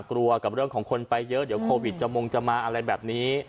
กลัวกับเรื่องของคนไปเยอะเดี๋ยวโควิดจะมงจะมาอะไรแบบนี้